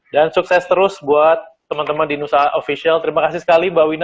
dan sukses terus buat teman teman di nusa official terima kasih sekali mbak wina